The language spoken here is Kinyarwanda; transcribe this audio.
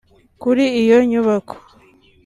Kuri iyo nyubako